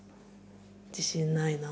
自信ないなあ。